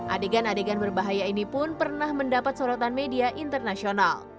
adegan adegan berbahaya ini pun pernah mendapat sorotan media internasional